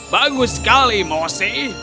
bagus sekali maus